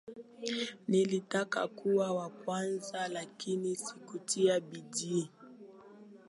Nilitaka kuwa wa kwanza lakini si kutia bidii